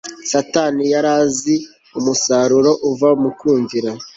satani yari azi umusaruro uva mu kumvira